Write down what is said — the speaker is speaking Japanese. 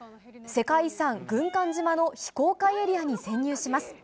世界遺産、軍艦島の非公開エリアに潜入します。